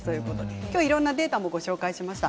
今日いろんなデータもご紹介しました。